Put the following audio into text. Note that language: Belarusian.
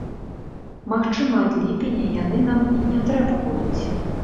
Магчыма, ад ліпеня яны нам і не трэба будуць.